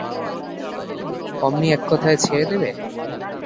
অমনি এক কথায় ছেড়ে দেবে!